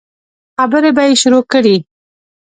خبرې به يې شروع کړې.